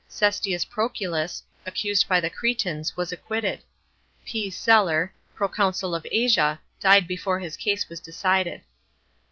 Cestius Proculus, accused by the Cretans, was acquitted. P. Celer, proconsul of Asia, died before his case was decided.